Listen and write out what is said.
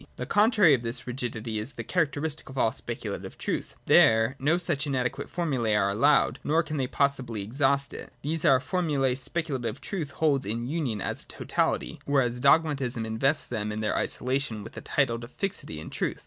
The contrary of this rigidity is the characteristic of all Speculative truth. There no such inadequate formulae are allowed, nor can they possibly exhaust it. These for mulae Speculative truth holds in union as a totality, whereas Dogmatism invests them in their isolation with a title to fixity and truth.